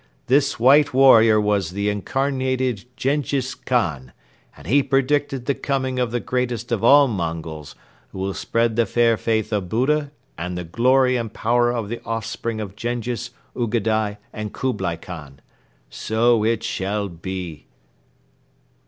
This white warrior was the Incarnated Jenghiz Khan and he predicted the coming of the greatest of all Mongols who will spread the fair faith of Buddha and the glory and power of the offspring of Jenghiz, Ugadai and Kublai Khan. So it shall be!"